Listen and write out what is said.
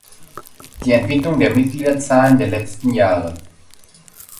Die Entwicklung der Mitgliederzahlen der letzten Jahre.